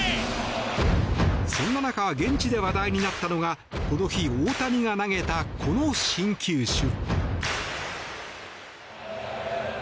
そんな中現地で話題になったのがこの日、大谷が投げたこの新球種。